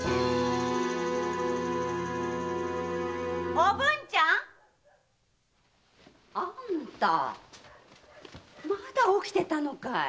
おぶんちゃん！あんたまだ起きてたのかい。